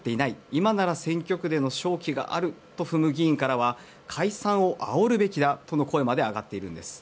今なら選挙区での勝機があるとして解散をあおるべきだとの声まで上がっています。